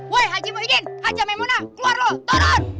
woi haji muhyiddin haja memuna keluar lu turun